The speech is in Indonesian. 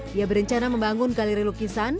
dia berencana membangun galeri lukisan